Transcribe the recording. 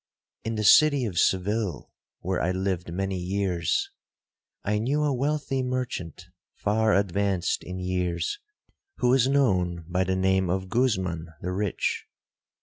'In the city of Seville, where I lived many years, I knew a wealthy merchant, far advanced in years, who was known by the name of Guzman the rich.